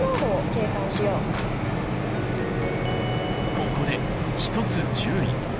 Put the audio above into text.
ここでひとつ注意！